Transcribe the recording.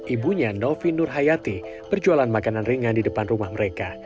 ibunya novi nurhayati berjualan makanan ringan di depan rumah mereka